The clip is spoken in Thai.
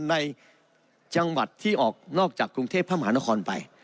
ในจังหวัดที่ออกนอกจากกรุงเทพพระมหานครไป